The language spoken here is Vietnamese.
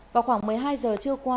vào khoảng một mươi hai h trưa qua